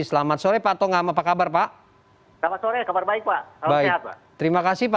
selamat sore pak tongam apa kabar pak